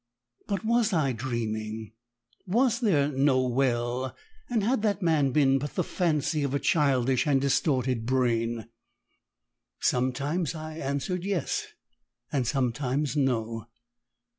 But was I dreaming was there no well, and had that man been but the fancy of a childish and distorted brain? Sometimes I answered "Yes," and sometimes "No."